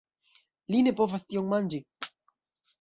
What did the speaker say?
Li ne povas tion manĝi!